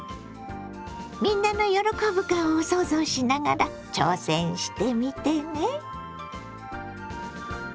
みんなの喜ぶ顔を想像しながら挑戦してみてね。